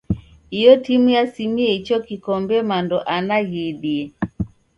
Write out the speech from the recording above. Iyo timu yasimie icho kikombe mando ana ghiidie.